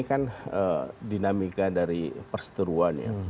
ini kan dinamika dari perseteruan ya